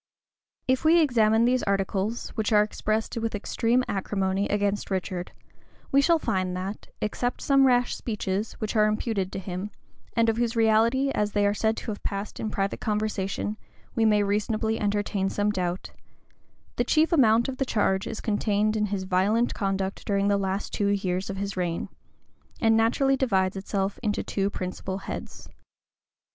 [] If we examine these articles, which are expressed with extreme acrimony against Richard, we shall find that, except some rash speeches, which are imputed to him,[] and of whose reality, as they are said to have passed in private conversation, we may reasonably entertain some doubt, the chief amount of the charge is contained in his violent conduct during the two last years of his reign, and naturally divides itself into two principal heads.